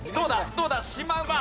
どうだ？